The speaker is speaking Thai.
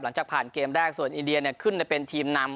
หลังจากผ่านเกมแรกส่วนอินเดียขึ้นไปเป็นทีมนำ